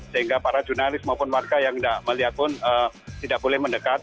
sehingga para jurnalis maupun warga yang tidak melihat pun tidak boleh mendekat